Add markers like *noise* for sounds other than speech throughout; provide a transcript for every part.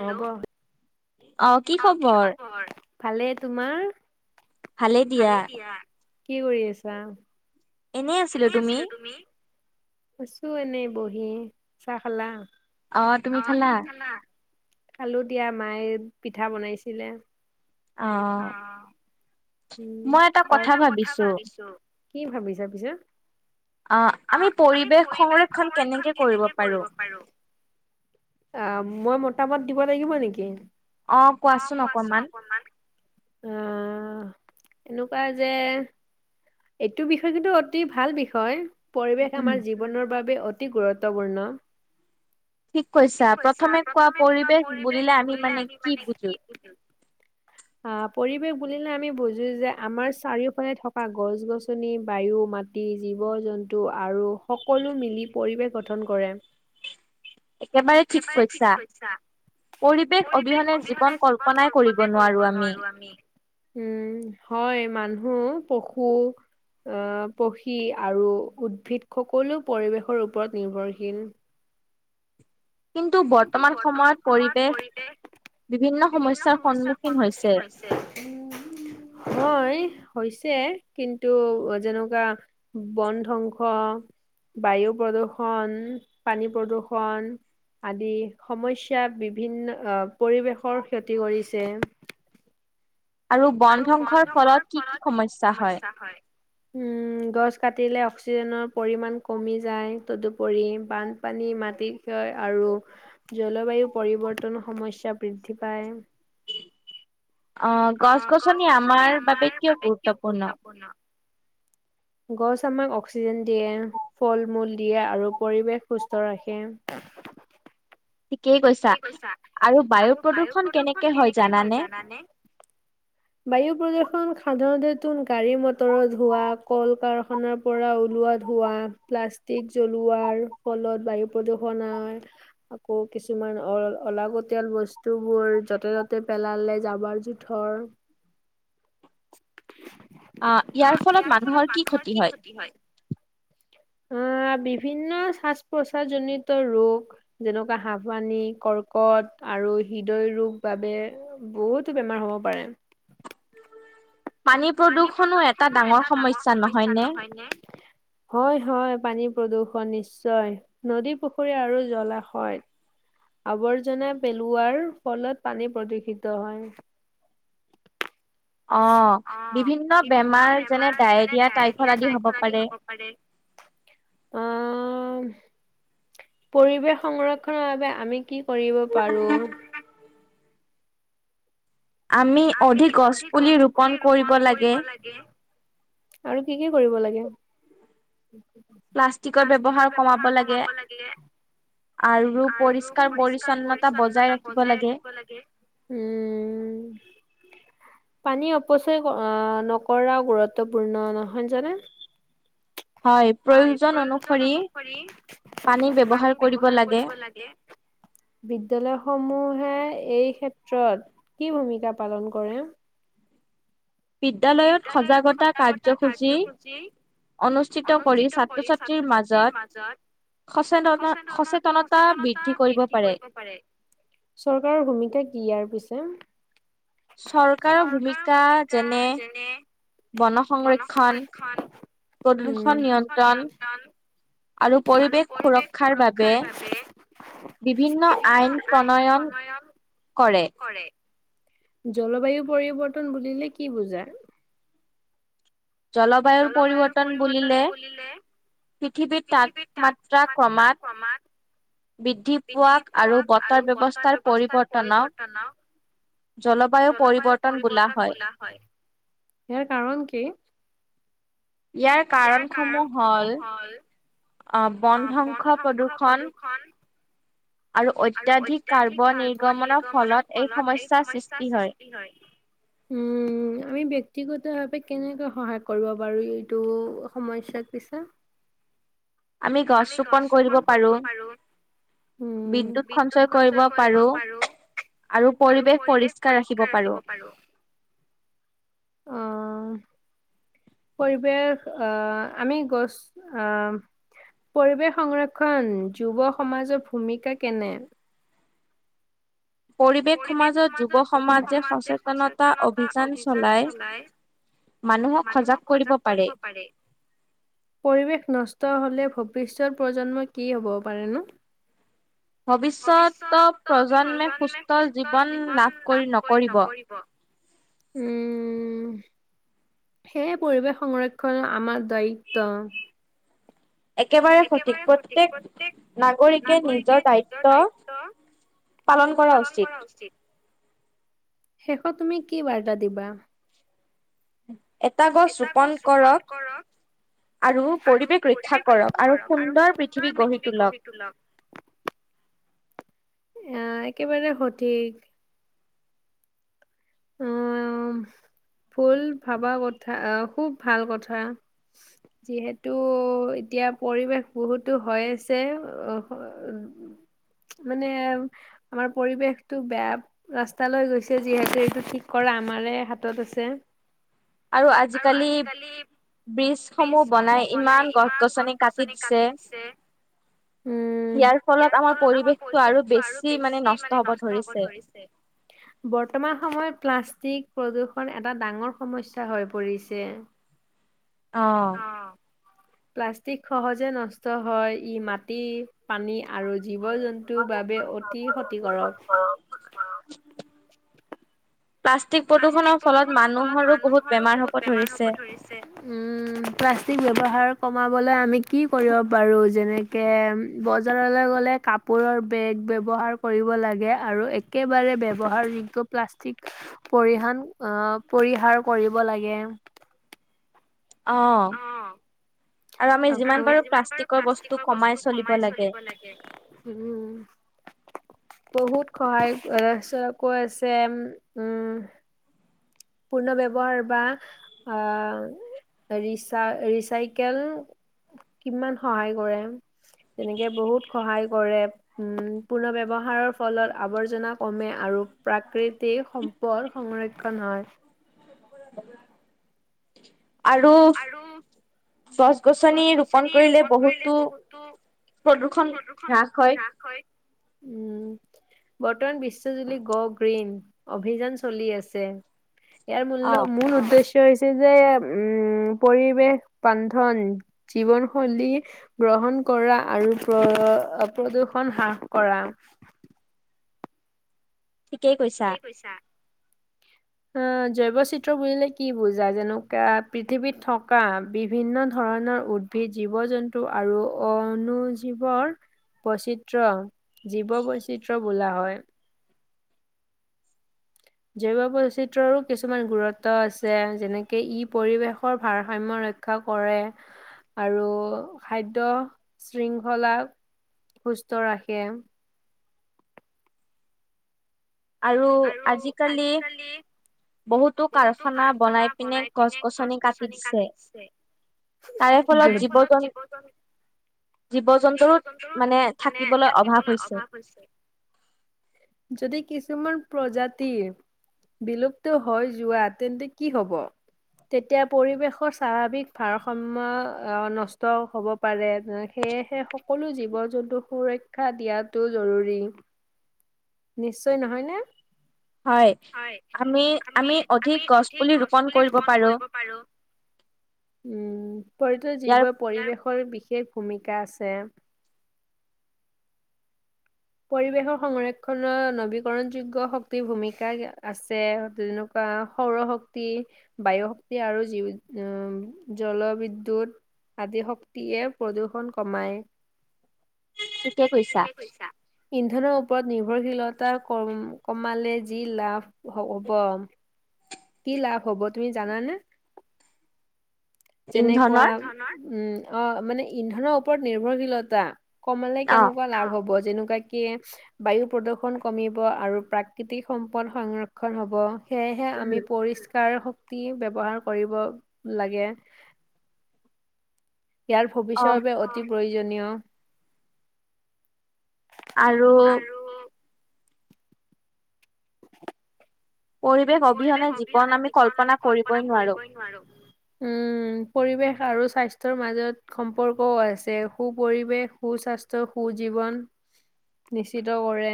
হব *unintelligible* অ কি খবৰ? ভালেই তোমাৰ? ভালেই দিয়া। কি কৰি আছা? এনেই আছিলোঁ। তুমি? আছোঁ এনেই বহি। চাহ খালা? অ' তুমি খালা? খালোঁ দিয়া। মায়ে পিঠা বনাইছিলে। অ'। উম, হয়। মই এটা কথা ভাবিছোঁ। কি ভাবিছা পিছে? আ- আমি পৰিৱেশ সংৰক্ষণ কেনেকে কৰিব পাৰোঁ? অ'- মই ম তাবত দিব লাগিব নেকি? অ' কোৱাচোন অকণমান। অ' এনেকুৱা যে এইটো বিষয় কিন্তু অতি ভাল বিষয়। পৰিৱেশ উম আমাৰ জীৱনৰ বাবে অত্ তি গুৰত্বপূৰ্ণ। কি কৈছা প্ৰথমে কোৱা পৰিৱেশ বুলিলে আমি মানে কি বুজো? আহ। পৰিৱেশ বুলিলে আমি বুজো যে, আমাৰ চাৰিওফালে থকা গছ-গছনি, বায়ু, মাটি, জীৱ জন্তু আৰু সকলো মিলি পৰিৱেশ গঠন কৰে। একেবাৰে ঠিক কৈছা, পৰিৱেশ অবিহনে জীৱন কল্পনা কৰিব নোৱাৰো আমি উম হয় মান উম পশু আহ পক্ষী আৰু উদ্ভিদ সকলো পৰিৱেশৰ ওপৰত নিৰ্ভৰশীল। কিন্তু বৰ্তমান সময়ত পৰিৱেশ বিভিন্ন সমস্যাৰ সন্মুখীন হৈছে, হয়। হৈছে কিন্তু যেনেকুৱা বন ধ্বংস, বায়ু প্ৰদূৰ্ষন, পানী প্ৰদূৰ্ষন। আদি সমস্যা বিভিন্ন আহ পৰিৱেশৰ ক্ষতি কৰিছে। আৰু বন ধংসৰ ফলত কি কি সমস্যা হয়? উম গছ কাটিলে অক্সিজেনৰ পৰিমাণ কমি যায় তদুপৰি বান পানী মাটি ক্ষয় আৰু জলবায়ু পৰিৱৰ্তন সমস্যা বৃদ্ধি পায়। অহ গছ-গছনি আমাৰ বাবে কিয় গুৰুত্বপূৰ্ণ? গছ আমাক অক্সিজেন দিয়ে ফল মূল দিয়ে আৰু পৰিৱেশ সুস্থ ৰাখে। থিকেই কৈছা, আৰু বায়ু প্ৰদূৰণ কেনেকে হয় জানানে? বায়ু প্ৰদূৰ্ষণ সাধাৰণতে নতুন গাড়ী মটৰৰত ধোৱা, কল কাৰখানাৰ পৰা ওলোৱা ধোৱা, প্লাষ্টিক জ্বলোৱাৰ আৰু ফলত বায়ু প্ৰদূষণ হয়। আকৌ কিছুমান অ অলাগতিয়াল বস্তুবোৰ য'তে ত'তে পেলালে জাবৰ জোথৰ ইয়াৰ ফলত মানুহৰ কি ক্ষতি হয়? অ' বিভিন্ন শ্বাজ প্ৰচ্বাসজনিত ৰোগ যেনেকুৱা। কিবা হাফানি, কৰ্কট আৰু হৃদয় ৰোগ বাবে বহুতো বেমাৰ হ'ব পাৰে। পানী প্ৰদূৰ্ষণো এটা ডাঙৰ সমস্যা নহয় নে? হয়, হয় পানী প্ৰদূৰ্ষণ নিশ্চয়, নদী, পুখুৰী আৰু জলাশয়, আৱৰ্জনা পেলোৱাৰ ফলত পানী প্ৰদূষিত হয়। অ' বিভিন্ন বেমাৰ যেনে ডায়ৰিয়া, ট্ৰাইফত আদি হ'ব পাৰে। অ' পৰিৱেশ সংৰক্ষনৰ বাবে আমি কি কৰিব পাৰোঁ। আমি অধিক গছ পুলি ৰোপন কৰিব লাগে আৰু কি কি কৰিব লাগে? প্লাষ্টিকৰ ব্যৱহাৰ কমাব লাগে আৰু পৰিষ্কাৰ পৰিস্কাৰ পৰিচ্ছন্নতা বজাই পৰি্ছন্নতা ৰাখিব বজাই ৰাখিব লাগে উম। পানী অপচয় কৰ আহ নকৰাও গুৰুত্বপূৰ্ণ নহয় হনজনে হয়, প্ৰয়োজন অনুসৰি পানী ব্যৱহাৰ কৰিব লাগে। বিদ্যালয় সমূহে এই ক্ষেত্ৰত কি ভূমিকা পালন কৰে? বিদ্যালয়ত সজাগতা কাৰ্যসূচী অনুষ্ঠিত কৰি ছাত্ৰ ছাত্ৰীৰ মাজত সচেত সচেতনতা বৃদ্ধি কৰিব পাৰে। চৰকাৰৰ ভূমিকা ইয়াৰ পিছে? চৰকাৰৰ ভূমিকা যেনে, যেনে বন সংৰক্ষণ উম প্ৰদূষণ নিয়ন্ত্ৰণ, আৰু পৰিৱেশ সুৰক্ষাৰ বাবে বিভিন্ন আইন প্ৰণয়ন কৰে। জলবায়ু পৰিৱৰ্তন বুলিলে কি বুজা? জলবায়ুৰ পৰিৱৰ্তন বুলিলে পৃথিৱীত তাপমাত্ৰা ক্ৰমাত বৃদ্ধি পোৱা আৰু বতৰ ব্যৱস্থাৰ ব্যৱস্থাৰ পৰিৱৰ্তনক পৰিৱৰ্তন জলবায়ু পৰিৱৰ্তন বোলা হয়। ইয়াৰ কাৰণ কি? ইয়াৰ কাৰণসমূহ হ'ল? অ বন ধ্বংস প্ৰদূৰ্ষন, আৰু অত্যাধিক কাৰ্ব নিৰ্গমনৰ ফলত এই সমস্যা সৃষ্টি হয়। উম আমি ব্যক্তিগত ভাবে কেনেকে সহায় কৰিব বাৰু এইটো সমস্যাত পিছে? আমি গছ ৰোপন কৰিব পাৰো উম বিদ্যুত সঞ্চয় কৰিব পাৰো আৰু পৰিৱেশ পৰিষ্কাৰ ৰাখিব পাৰো অহ পৰিৱেশ আহ আমি গছ আহ পৰিৱেশ সংৰক্ষণ যুৱ সমাজৰ ভূমিকা কেনে? পৰিৱেশ সমাজত যুৱ সমাজে সচেতনতা অভিযান চলাই মানুহক সজাগ কৰিব পাৰে। পৰিৱেশ নষ্ট হলে ভৱিষ্যত প্ৰজন্ম কি হ'ব পাৰে নো? ভবিষ্যত প্ৰজন্মে সুস্থ সুস্থ জীৱন লাভ কৰি নকৰিব। উম, সেয়ে পৰিৱেশ সংৰক্ষণ আমাৰ দায়িত্ব। একেবাৰে সঠিক প্ৰত্যেক, নাগৰিকে নিজৰ দায়িত্ব, পালন কৰা উচিত। শেষত তুমি কি বাৰ্তা দিবা? *unintelligible* এটা গছ ৰোপন কৰক, আৰু পৰিৱেশ ৰক্ষা কৰক আৰু সুন্দৰ পৃথিৱী গঢ়ি তোলক। আহ একেবাৰে সঠিক। আহ, ভুল ভাবা কথা আহ খুব ভাল কথা, যিহেতু এতিয়া পৰিৱেশ বহুতো হৈ আছে, মানে আমাৰ পৰিৱেশটো বেয়া ৰাস্তালৈ গৈছে যিহেতু এইটো কি কৰা আমাৰে হাতত আছে। আৰু আজিকালি, ব্ৰিজসমূহ বনাই ইমান গছ গছনি কাটিছে, উম, ইয়াৰ ফলত আমাৰ পৰিৱেশটো আৰু বেছি মানে নষ্ট হব ধৰিছে, বৰ্তমান সময়ত প্লাষ্টিক, প্ৰদূষণ এটা ডাঙৰ সমস্যা হৈ পৰিছে। অ', প্লাষ্টিক সহজে নষ্ট হয়, ই মাটি, পানী আৰু জীৱ-জন্তুৰ বাবে অতি ক্ষতিকাৰক। প্লাষ্টিক প্ৰদূষণৰ ফলত মানুহৰো বহুত বেমাৰ হব ধৰিছে। উম, প্লাষ্টিক বৱহাৰ কমাবলৈ আমি কি কৰিব পাৰোঁ, যেনেকে বজাৰলৈ গলে কাপোৰৰ বেগ ব্যৱহাৰ কৰিব লাগে আৰু একেবাৰে ব্যৱহাৰযোগ্য প্লাষ্টিক পৰিহান- অ' পৰিহাৰ কৰিব লাগে। অ'। আকৌ- আমি যিমান পাৰোঁ প্লাষ্টিকৰ বস্তু কমাই চলিব লাগে। উম। বহুত সহায় *unintelligible* কৈ আছে, উম পূৰ্ণ ব্যৱহাৰ বা আ- ৰিচা- ৰিচাইকেল কিমান সহায় কৰে। তেনেকে বহুত সহায় কৰে। উম, পূৰ্ণ ব্যৱহাৰৰ ফলত আৱৰ্জনা কমে আৰু প্ৰাকৃতিক সম্পদ সংৰক্ষণ হয়। আৰু গছ-গছনি ৰোপণ কৰিলে বহুতো প্ৰদূ্ষণ হ্ৰাস হয়। উম, বৰ্তমান বিশ্বজুৰি গো গ্ৰীণ অভিযান চলি আছে। ইয়াৰ অ মূল্য- মূল উদ্দেশ্ শ্য হৈছে যে উম পৰিৱেশ বান্ধন জীৱনশৈলী গ্ৰহণ কৰা আৰু প্ৰ- অ'- প্ৰদূ্ষণ হ্ৰাস কৰা। ঠিকেই কৈছা। অ' জৈৱচিত্ৰ বুলিলে কি বুজা? যেনেকুৱা পৃথিৱীত থকা বিভিন্ন ধৰণৰ উদ্ভিদ, জীৱ-জন্তু আৰু অণুজীৱৰ বৈচিত্ৰ্য জীৱ বৈচিত্ৰ্য বোলা হয়। জৈৱ বৈচিত্ৰ্যৰো কিছুমান গুৰত্ব আছে। যেনেকে ই পৰিৱেশৰ ভাৰসাম্য ৰক্ষা কৰে আৰু খাদ্য শৃংখলাক সুস্থ ৰাখে। আৰু আজিকালি বহুতো কাৰখানা বনাই পিনে গছ-গছনি কাটি দিছে, তাৰে যাৰ জীৱ ফলত জন জীৱ-জন্তু জীৱ-জন্তুৰো মানে থাকিবলৈ অভাৱ হৈছে, যদি কিছুমান প্ৰজাতি বিলুপ্ত হৈ যোৱা তেন্তে কি হ'ব, তেতিয়া পৰিৱেশৰ স্বাভাৱিক ভাৰসমাম্য অ', নষ্ট হব পাৰে সেয়েহে সকলো জীৱ-জন্তুক সুৰক্ষা দিয়াটো জৰুৰী। নিশ্চয় নহয়নে? হয়, আমি আমি অধিক গছ পুলি ৰোপন কৰিব পাৰোঁ। পৰ্থো জীৱই পৰিৱেশৰ বি বিশেষ ভূমিকা আছে। পৰিৱেশৰ সংৰক্ষণৰ নৱীকৰণ যোগ্য শক্তিৰ ভূমিকা আছে তেনেকুৱা সৌৰশক্তি, বায়ু শক্তি আৰু জি অ', জলবিদ্যুত আদি শক্তিয়ে প্ৰদূষণ কমায়। ঠিকে কৈছা, ইন্ধনৰ ওপৰত নিৰ্ভৰশীলতা কম কমালে যি লাভ হ'ব কি লাভ হ'ব তুমি জানানে? যেনেকুৱা, ইন্ধনৰ ধৰণৰ, উম। অহ, মানে ইন্ধনৰ ওপৰত নিৰ্ভৰশীলতা। কমালে অ কেনেকুৱা লাভ হ'ব? যেনেকুৱাকে বায়ু প্ৰদূৰ্ষণ কমিব আৰু প্ৰাকৃতিক সম্পদ সংৰক্ষণ হ'ব। সেয়েহে আমি উম ষ্কাৰ শক্তি ব্যৱহাৰ কৰিব লাগে। ইয়াৰ অ ভৱিষ্যৰ বাবে অতি প্ৰয়োজন জনিয়। আৰু পৰিৱেশ অবিহনে জীৱন আমি কল্পনা কৰিবই নোৱাৰো। উম, পৰিৱেশ আৰু স্বাস্থ্যৰ মাজত সম্পৰ্কও আছে সু পৰিৱেশ সু স্বাস্থ্যয় সু জীৱন নিশ্চিত কৰে,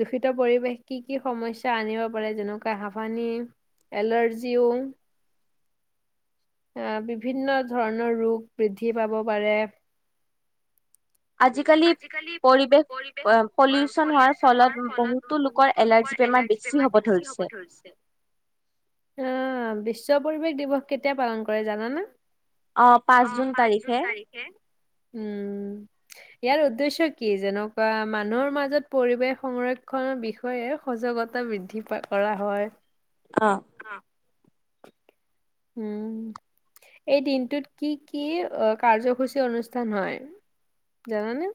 দূষিত পৰিৱেশ কি কি সমস্যা আনিব পাৰে যেনেকুৱা হাফানি, এলাৰ্জিও, আহ বিভিন্ন ধৰণৰ ৰোগ বৃদ্ধি পাব পাৰে। আজিকালি পৰিৱেশ পলিউচন হোৱাৰ ফলত বহুতো লোকৰ এলাৰ্জ বেমাৰ বেছি হ'ব ধৰিছে। আহ বেছি জ্ব পৰিৱেশ দিৱস কেতিয়া পালন কৰে জানানা? অ' পাঁচ জুন তাৰিখে উ। ইয়াৰ উদ্দেশ্য কি যেনেকুৱা মানুহৰ মাজত পৰিৱেশ সংৰক্ষণৰ বিষয়ে সজাগতা বৃদ্ধি কৰা হয়। অ'। উম, এই দিনটোত কি কি কাৰ্যসূচী অনুষ্ঠান হয় জানানে?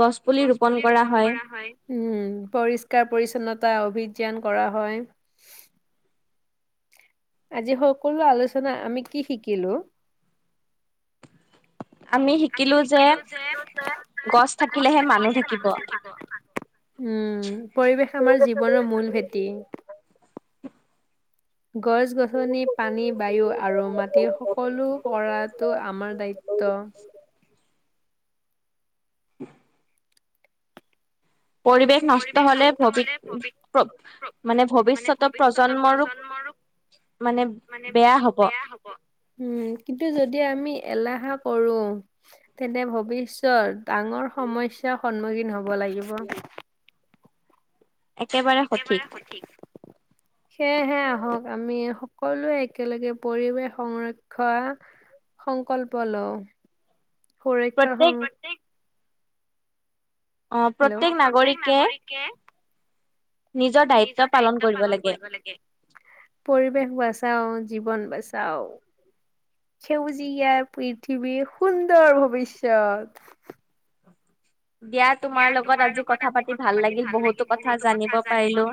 গছপুলি ৰোপন কৰা হয়। উম, পৰিষ্কাৰ পৰিচ্ছন্নতা অভিযান কৰা হয়। আজি সকলো আলোচনা আমি কি শিকিলো? আমি শিকিলো যে গছ থাকিলেহে মানুহ থাকিব। উম পৰিৱেশ আমাৰ জীৱনৰ মূল ভেটি। গছ গছনি পানী বায়ু আৰু মাটি সকলো কৰাতটো আমাৰ দায়িত্ব। *inaudible* পৰিৱেশ নষ্ট হলে ভৱি প্ৰৱ মানে ভৱিষ্যতৰ প্ৰজন্মৰো মানে বেয়া হব উম কিন্তু যদি আমি এলাহা কৰো তেন্তে ভৱিষ্যৰ ডাঙৰ সমস্যাৰ সন্মুখীন হব লাগিব একেবাৰে সঠিক সেয়েহে আহক আমি সকলোৱে একেলগে পৰিৱেশ সংৰক্ষা সংকল্প লওঁ সুৰক্ষা সং প্ৰত্যেক অ হেল্ল' প্ৰত্যেক নাগৰিকে নিজৰ দায়িত্ব পালন কৰিব লাগে পৰিৱেশ বচাও অ জীৱন বচাও সেউজীয়াৰ পৃথিৱীৰ সুন্দৰ ভৱিষ্যত দিয়া তোমাৰ লগত আজি কথা পাতি ভাল লাগিল বহুতো কথা জানিব পাৰিলো